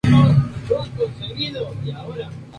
Estudió derecho en la Universidad Estatal de San Petersburgo.